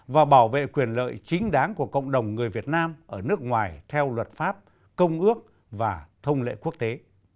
và bảo vệ quyền lợi chính đáng của cộng đồng người việt nam ở nước ngoài theo luật pháp công ước và thông lệ quốc tế